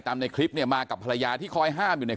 ในคลิปเนี่ยมากับภรรยาที่คอยห้ามอยู่ใน